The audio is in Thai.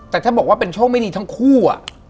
แต่ถ้าบอกว่าเป็นโชคไม่ดีทั้งคู่